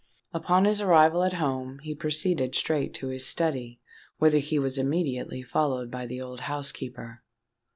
Upon his arrival at home, he proceeded straight to his study, whither he was immediately followed by the old housekeeper.